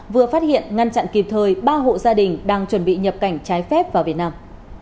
vừa phát hiện ngăn chặn kịp thời ba hộ gia đình đang chuẩn bị nhập cảnh trái phép vào việt nam